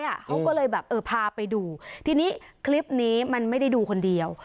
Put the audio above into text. เขาก็เลยแบบเออพาไปดูทีนี้คลิปนี้มันไม่ได้ดูคนเดียว